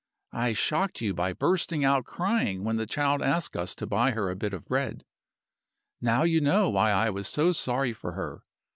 I shocked you by bursting out crying when the child asked us to buy her a bit of bread. Now you know why I was so sorry for her.